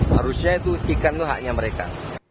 harusnya itu ikan itu haknya mereka